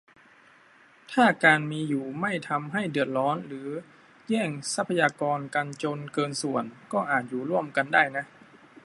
ถ้าการมีอยู่ไม่ทำให้เดือดร้อนหรือแย่งทรัพยากรกันจนเกินส่วน ก็อาจอยู่ร่วมกันได้นะ